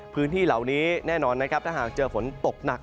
พื้นที่เหล่านี้แน่นอนนะครับถ้าหากเจอฝนตกหนัก